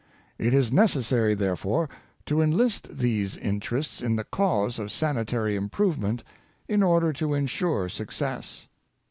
It is necessary, therefore, to enlist these interests in the cause of sani tary improvement, in order to insure success.